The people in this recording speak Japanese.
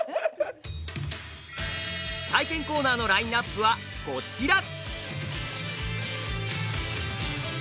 体験コーナーのラインナップはこちら。